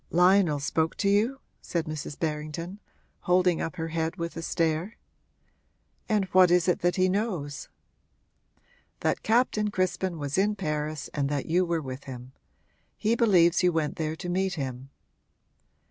'Lionel spoke to you?' said Mrs. Berrington, holding up her head with a stare. 'And what is it that he knows?' 'That Captain Crispin was in Paris and that you were with him. He believes you went there to meet him.'